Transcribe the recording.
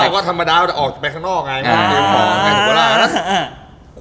ก็ธรรมดาจะออกไปข้างนอก